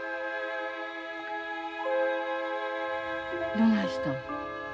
どないしたん？